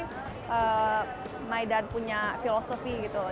yang aku respect sih maidan punya filosofi gitu loh